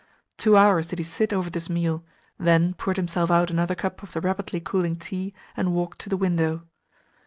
Two hours did he sit over this meal, then poured himself out another cup of the rapidly cooling tea, and walked to the window.